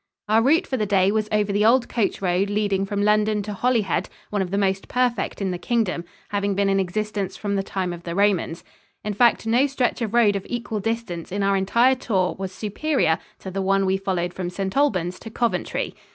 Our route for the day was over the old coach road leading from London to Holyhead, one of the most perfect in the Kingdom, having been in existence from the time of the Romans. In fact, no stretch of road of equal distance in our entire tour was superior to the one we followed from St. Albans to Coventry.